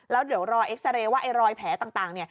แล้วเดี๋ยวรอเอ็กซาเรย์ว่ารอยแผลต่าง